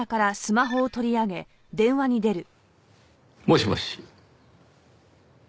もしもし。